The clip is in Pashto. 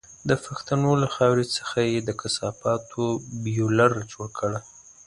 د پښتنو له خاورې څخه یې د کثافاتو بيولر جوړ کړی.